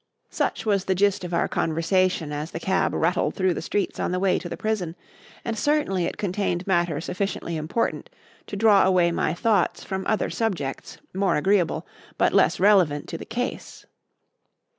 Such was the gist of our conversation as the cab rattled through the streets on the way to the prison; and certainly it contained matter sufficiently important to draw away my thoughts from other subjects, more agreeable, but less relevant to the case.